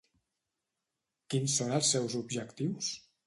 Quins són els seus objectius?